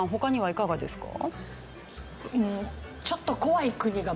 いかがですか？